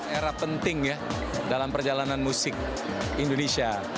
era penting ya dalam perjalanan musik indonesia